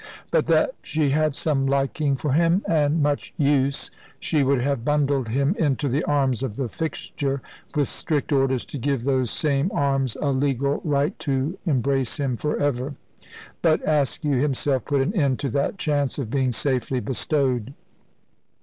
But that she had some liking for him, and much use, she would have bundled him into the arms of the fixture, with strict orders to give those same arms a legal right to embrace him for ever. But Askew himself put an end to that chance of being safely bestowed.